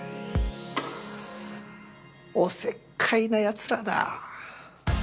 おせっかいな奴らだ。